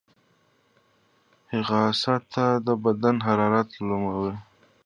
ځغاسته د بدن حرارت لوړوي